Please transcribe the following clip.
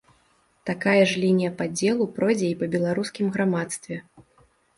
Такая ж лінія падзелу пройдзе і па беларускім грамадстве.